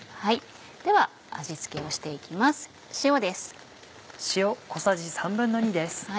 では味付けをして行きます塩です。